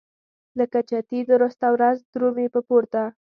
لکه چتي درسته ورځ درومي په پورته.